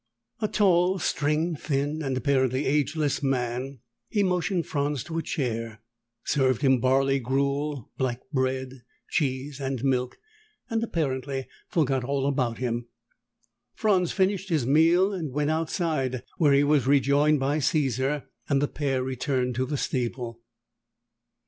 A tall, string thin and apparently ageless man, he motioned Franz to a chair, served him barley gruel, black bread, cheese, and milk and apparently forgot all about him. Franz finished his meal and went outside, where he was rejoined by Caesar, and the pair returned to the stable.